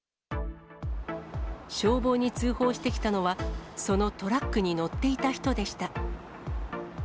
消防に通報してきたのは、そのトラックに乗っていた人でした。